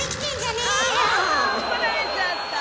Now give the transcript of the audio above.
ああ怒られちゃった。